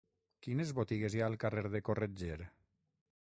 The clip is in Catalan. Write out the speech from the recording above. Quines botigues hi ha al carrer de Corretger?